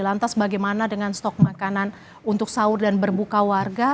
lantas bagaimana dengan stok makanan untuk sahur dan berbuka warga